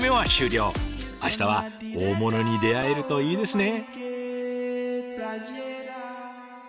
あしたは大物に出会えるといいですね！